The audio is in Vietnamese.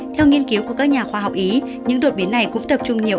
theo nghiên cứu của các nhà khoa học ý những đột biến này cũng tập trung nhiều